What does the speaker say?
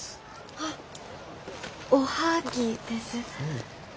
あっおはぎです。